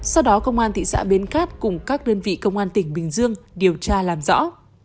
sau đó công an thị xã bến cát cùng các đơn vị công an tỉnh bình dương điều tra làm rõ